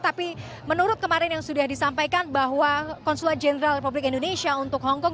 tapi menurut kemarin yang sudah disampaikan bahwa konsulat jenderal republik indonesia untuk hongkong